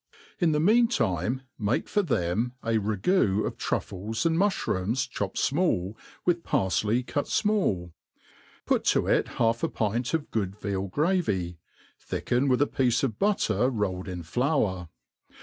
In the mean time make for them a ragoo of truffles and mufbrooms chopped fmall with parfley cut fmall ; put to it half a pint of good veal gravy, thicken with a piece of butter rolled in Aour.